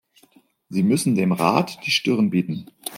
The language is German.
Sie müssen dem Rat die Stirn bieten.